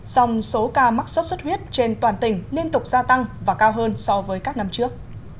dòng số ca mắc sốt xuất huyết trên toàn tỉnh liên tục gia tăng và cao hơn so với các năm trước